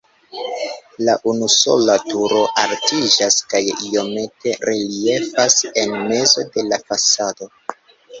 La unusola turo altiĝas kaj iomete reliefas en mezo de la fasado.